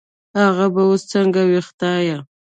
هغه به وس سنګه وي خدايه